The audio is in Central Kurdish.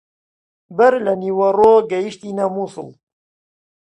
بەر لە نیوەڕۆ گەیشتینە مووسڵ.